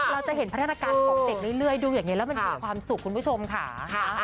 เราจะเห็นพัฒนาการของเด็กเรื่อยดูอย่างนี้แล้วมันมีความสุขคุณผู้ชมค่ะ